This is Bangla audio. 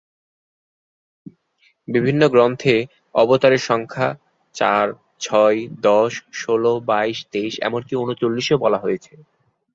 বিভিন্ন গ্রন্থে অবতারের সংখ্যা চার, ছয়, দশ, ষোলো, বাইশ, তেইশ এমকি ঊনচল্লিশও বলা হয়েছে।